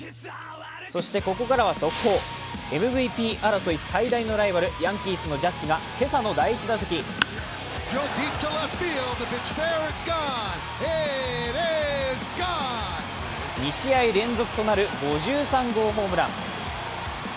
そして、ここからは速報ＭＶＰ争い最大のライバルヤンキースのジャッジが今朝の第１打席２試合連続となる５３号ホームラン。